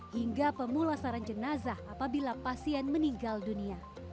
hingga pemulasaran jenazah apabila pasien meninggal dunia